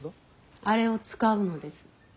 あれを使うのです。